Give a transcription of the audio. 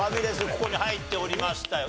ここに入っておりましたよ。